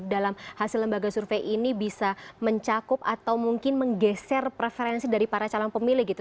dalam hasil lembaga survei ini bisa mencakup atau mungkin menggeser preferensi dari para calon pemilih gitu